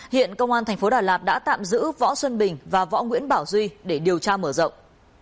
hiện công an thành phố đà lạt đã tạm giữ võ xuân bình và võ nguyễn bảo duy để điều tra mở rộng